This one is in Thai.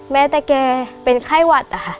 แม้แต่แกเป็นไข้หวัดอะค่ะ